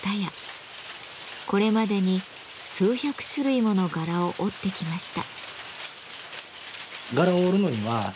これまでに数百種類もの柄を織ってきました。